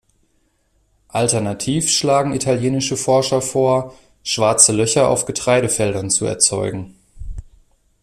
Alternativ schlagen italienische Forscher vor, Schwarze Löcher auf Getreidefeldern zu erzeugen.